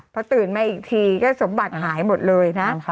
พอตื่นมาอีกทีก็สมบัติหายหมดเลยนะ